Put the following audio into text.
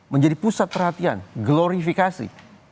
menjadi pusat perhatian glorifikasi